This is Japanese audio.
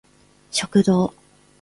食堂